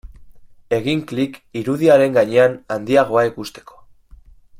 Egin klik irudiaren gainean handiagoa ikusteko.